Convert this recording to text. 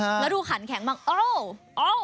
แล้วดูขันแข็งมาโอ้โอ้